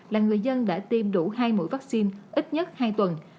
là người dân đã tiêm đủ hai mũi vaccine ít nhất hai tuần